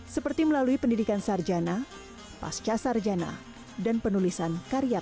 seperti melalui pendidikan sarjana pasca sarjana dan penulisan karya karya ilmiah